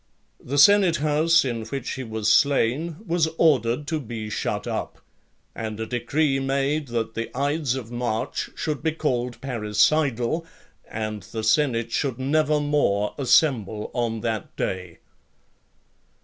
The senate house in which he was slain, was ordered to be shut up , and a decree made that the ides of March should be called parricidal, and the senate should never more assemble on that day.